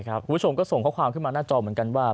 คุณผู้ชมก็ส่งข้อความขึ้นมาหน้าจอเหมือนกันว่า